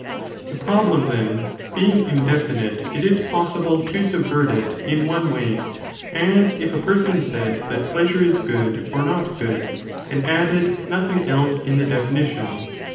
The problem then being indefinite, it is possi .|, ἜΤ ble to subvert it in one way, as if a person said nite can besub that pleasure is good or not good, and added ao τὰ οὐρα nothing else in the definition.